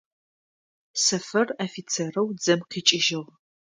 Сэфэр офицерэу дзэм къикӏыжъыгъ.